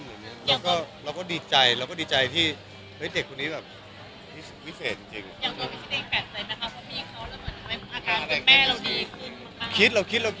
เราก็ดีใจเด็กคนนี้อย่างวิเศษจริง